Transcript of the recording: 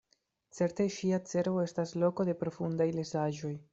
Certe ŝia cerbo estas loko de profundaj lezaĵoj.